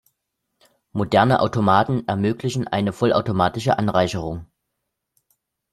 Moderne Automaten ermöglichen eine vollautomatische Anreicherung.